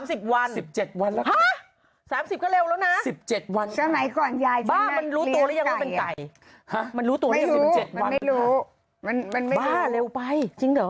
สามสิบก็เร็วแล้วนะสิบเจ็ดวันค่ะบ้ามันรู้ตัวแล้วยังไม่เป็นไก่มันรู้ตัวแล้วยังไม่เป็นเจ็ดวันค่ะบ้าเร็วไปจริงเหรอ